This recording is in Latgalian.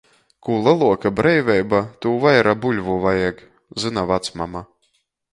"Kū leluoka breiveiba, tū vaira buļvu vajag," zyna vacmama.